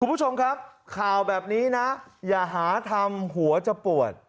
คุณผู้ชมครับข่าวแบบนี้นะอย่าหาทำหัวจะปวด